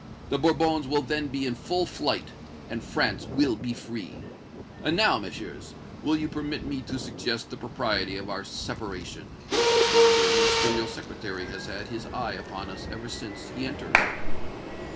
The Bourbons will then be in full flight, and France will be free! And now, Messieurs, will you permit me to suggest the propriety of our separation? Yonder Ministerial Secretary has had his eye upon us ever since he entered."